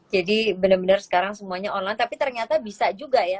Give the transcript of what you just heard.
jadi bener bener sekarang semuanya online tapi ternyata bisa juga ya